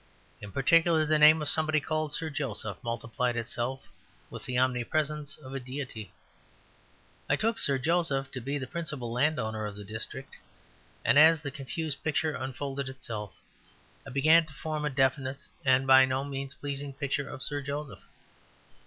In particular the name of somebody called Sir Joseph multiplied itself with the omnipresence of a deity. I took Sir Joseph to be the principal landowner of the district; and as the confused picture unfolded itself, I began to form a definite and by no means pleasing picture of Sir Joseph.